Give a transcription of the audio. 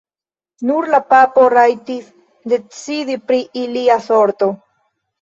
Nur la papo rajtis decidi pri ilia sorto.